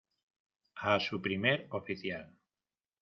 a su primer oficial.